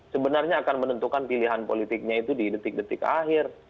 sebenarnya akan menentukan pilihan politiknya itu di detik detik akhir